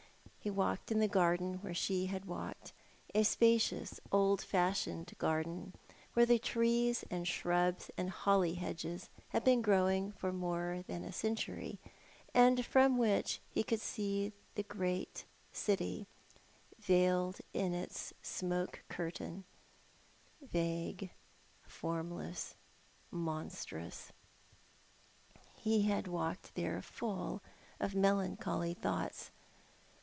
He walked in the garden where she had walked, a spacious, old fashioned garden, where the trees and shrubs and holly hedges had been growing for more than a century, and from which he could see the great city veiled in its smoke curtain, vague, formless, monstrous. He walked there full of melancholy thoughts.